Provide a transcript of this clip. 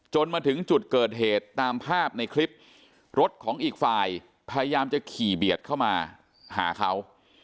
มาถึงจุดเกิดเหตุตามภาพในคลิปรถของอีกฝ่ายพยายามจะขี่เบียดเข้ามาหาเขา